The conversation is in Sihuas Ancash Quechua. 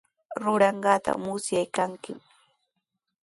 Ruranqaata musyaykanmi.